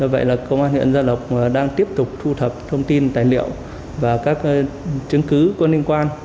vậy là công an huyện gia lộc đang tiếp tục thu thập thông tin tài liệu và các chứng cứ có liên quan